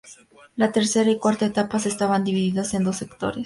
La tercera y cuarta etapas estaban divididas en dos sectores.